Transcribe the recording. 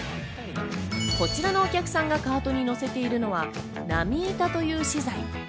こちらのお客さんがカートに乗せているのは波板という資材。